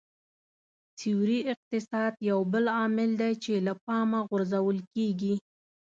سیوري اقتصاد یو بل عامل دی چې له پامه غورځول کېږي